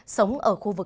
sống ở khu công nghiệp